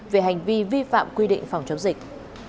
về hành vi vi phạm quy định phòng chống dịch